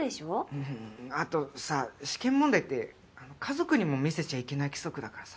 うんあとさぁ試験問題って家族にも見せちゃいけない規則だからさ。